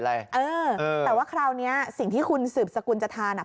แต่ว่าคราวนี้สิ่งที่คุณสืบสกุลจะทานอ่ะ